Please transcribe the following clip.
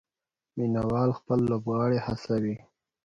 مینه وال خپل لوبغاړي هڅوي.